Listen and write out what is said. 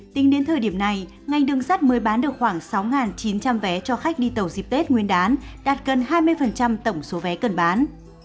tính đến thời điểm này ngành đường sắt mới bán được khoảng sáu chín trăm linh vé cho khách đi tàu dịp tết nguyên đán đạt gần hai mươi tổng số vé cần bán